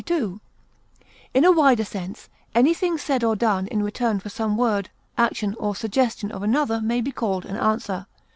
In a wider sense, anything said or done in return for some word, action, or suggestion of another may be called an answer.